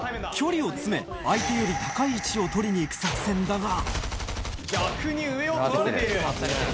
距離を詰め相手より高い位置を取りに行く作戦だが逆に上を取られている。